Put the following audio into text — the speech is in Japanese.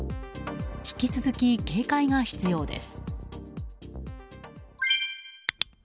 引き続き警戒が必要です。